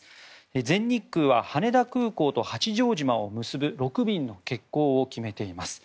全日空は羽田空港と八丈島を結ぶ６便の欠航を決めています。